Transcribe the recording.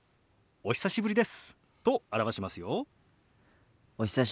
お久しぶりです。